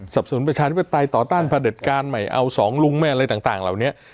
สนุนประชาธิปไตยต่อต้านพระเด็จการใหม่เอาสองลุงแม่อะไรต่างเหล่านี้